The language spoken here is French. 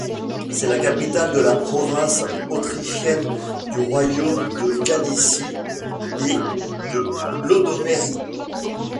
C'est la capitale de la province autrichienne du Royaume de Galicie et de Lodomérie.